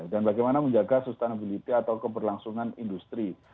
dan bagaimana menjaga sustainability atau keberlangsungan industri